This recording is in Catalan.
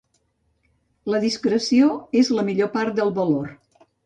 La discreció és la millor part del valor.